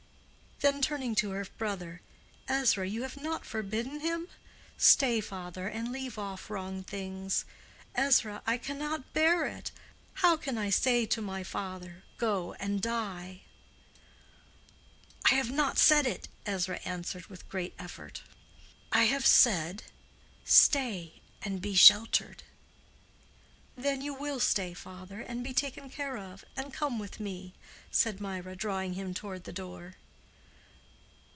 Then turning to her brother, "Ezra, you have not forbidden him?—Stay, father, and leave off wrong things. Ezra, I cannot bear it. How can I say to my father, 'Go and die!'" "I have not said it," Ezra answered, with great effort. "I have said, stay and be sheltered." "Then you will stay, father—and be taken care of—and come with me," said Mirah, drawing him toward the door.